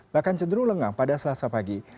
bahkan cenderung lengang pada selasa pagi